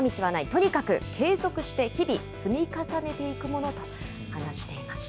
とにかく継続して日々積み重ねていくものと話していました。